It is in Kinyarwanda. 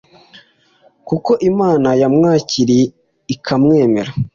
kuko Imana yamwakiriye ikamwemera